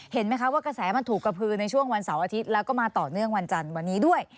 เห็นไหมคะว่ากระแสมันถูกกระพือในช่วงวันเสาร์อาทิตย์แล้วก็มาต่อเนื่องวันจันทร์วันนี้ด้วย